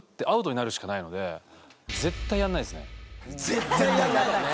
絶対やらないよね。